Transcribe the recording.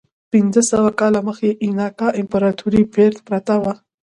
پنځه سوه کاله مخکې اینکا امپراتورۍ پرته وه.